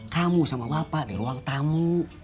kamu sama bapak di ruang tamu